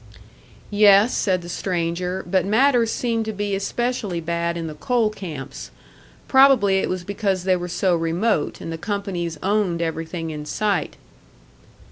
Yes, said the stranger, but matters seemed to be especially bad in the coal camps. Probably it was because they were so remote, and the companies owned everything in sight.